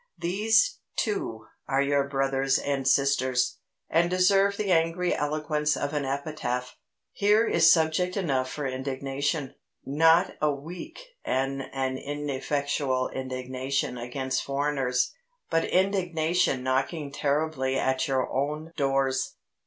These, too, are your brothers and sisters, and deserve the angry eloquence of an epitaph. Here is subject enough for indignation not a weak and ineffectual indignation against foreigners, but indignation knocking terribly at your own doors.